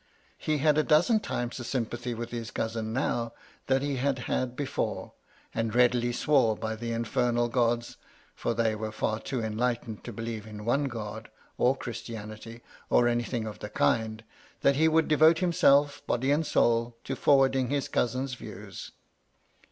He had a dozen times the sympathy with his cousin now that he had had before, and readily swore by the infernal gods, for they were far too enlightened to believe in one God, or Christianity, or anything of the kind, — that he would devote himself, body and soul, to forwarding his cousin's views.